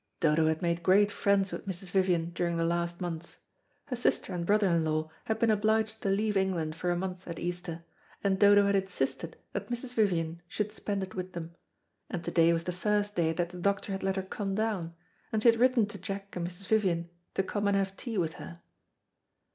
Dodo had made great friends with Mrs. Vivian during the last months. Her sister and brother in law had been obliged to leave England for a month at Easter, and Dodo had insisted that Mrs. Vivian should spend it with them, and to day was the first day that the doctor had let her come down, and she had written to Jack and Mrs. Vivian to come and have tea with her.